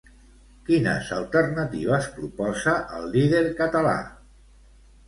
Quines alternatives proposa el líder català?